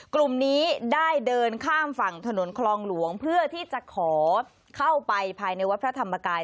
กลุ่มนี้ได้เดินข้ามฝั่งถนนคลองหลวงเพื่อที่จะขอเข้าไปภายในวัดพระธรรมกาย